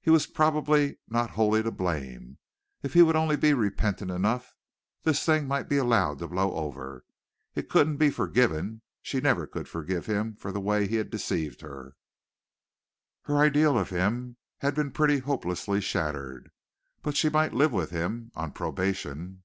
He was probably not wholly to blame. If he would only be repentant enough, this thing might be allowed to blow over. It couldn't be forgiven. She never could forgive him for the way he had deceived her. Her ideal of him had been pretty hopelessly shattered but she might live with him on probation.